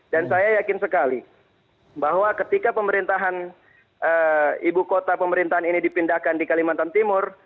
dan saya yakin sekali bahwa ketika pemerintahan ibu kota pemerintahan ini dipindahkan di kalimantan timur